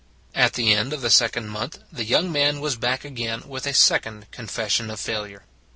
At the end of the second month the young man was back again with a second confession of failure.